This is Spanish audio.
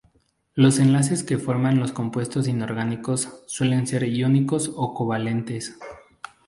Los enlaces que forman los compuestos inorgánicos suelen ser iónicos o covalentes.